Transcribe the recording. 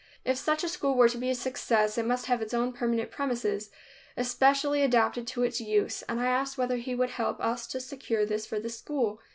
If such a school were to be a success, it must have its own permanent premises, especially adapted to its use, and I asked whether he would help us to secure this for the school.